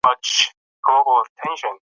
دواړو له ادب سره ګډ شوق درلود.